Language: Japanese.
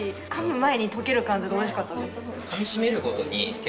前に溶ける感じでおいしかったです。